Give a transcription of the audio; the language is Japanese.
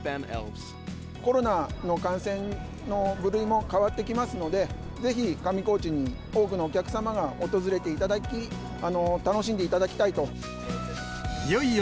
コロナの感染の部類も変わってきますので、ぜひ上高地に多くのお客様が訪れていただき、楽しんでいただきたいよいよ